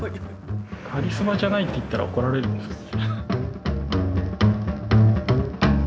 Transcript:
カリスマじゃないって言ったら怒られるんですかね。